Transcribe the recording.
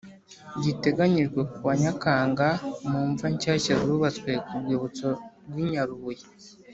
giteganyijwe kuwa Nyakanga mu mva nshyashya zubatswe ku rwibutso rw i Nyarubuye